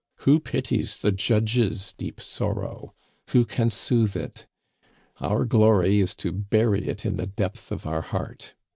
"Who pities the judge's deep sorrow? Who can soothe it? Our glory is to bury it in the depth of our heart.